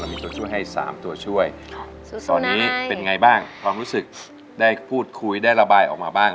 มีตัวช่วยให้๓ตัวช่วยตอนนี้เป็นไงบ้างความรู้สึกได้พูดคุยได้ระบายออกมาบ้าง